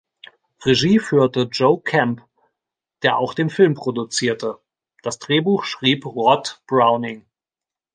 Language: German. Regie führte Joe Camp, der auch den Film produzierte; das Drehbuch schrieb Rod Browning.